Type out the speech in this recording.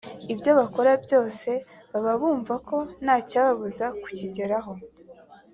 ibyo bakora byose baba bumva ntacyababuza kubigeraho